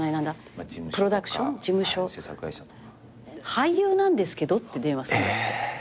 「俳優なんですけど」って電話するんだって。